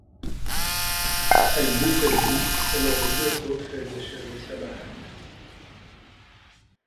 Elle bouffait tout, elle aurait bientôt fait d'achever sa baraque.